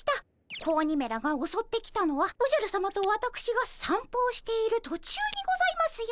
子鬼めらがおそってきたのはおじゃるさまとわたくしがさんぽをしている途中にございますよ。